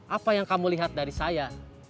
apa yang kamu lihat dari saya